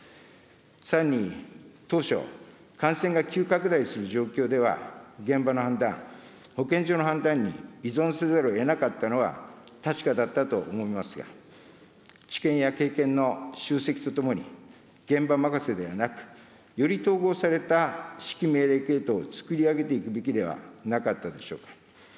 さらに当初、感染が急拡大する状況では、現場の判断、保健所の判断に依存せざるをえなかったのは確かだったと思いますが、知見や経験の集積とともに、現場任せではなく、より統合された指揮命令系統をつくり上げていくべきではなかったでしょうか。